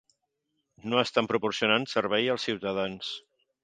No estan proporcionant servei als ciutadans.